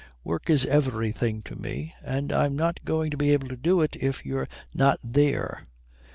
Work is everything to me, and I'm not going to be able to do it if you're not there.